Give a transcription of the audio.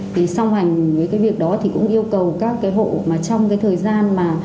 thì song hành với cái việc đó thì cũng yêu cầu các cái hộ mà trong cái thời gian mà